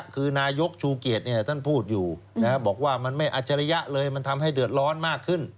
คือนายกชูเกดพูดอยู่บอกว่าอาจารยะเลยทำให้เดิดร้อนมากขึ้น